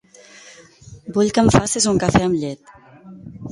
Vull que em facis un cafè amb llet.